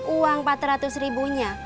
uang empat ratus ribunya